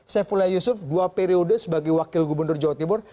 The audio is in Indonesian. saifullah yusuf dua periode sebagai wakil gubernur jawa timur